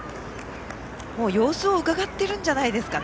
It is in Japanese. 様子をうかがっているんじゃないですか。